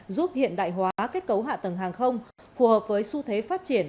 giúp hiện đại hóa kết cấu hạ tầng hàng không phù hợp với xu thế phát triển